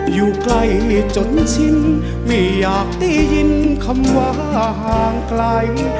อยู่ใกล้จนชิ้นไม่อยากได้ยินคำว่าห่างไกล